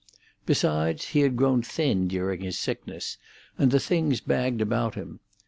Besides, he had grown thin during his sickness, and the things bagged about him.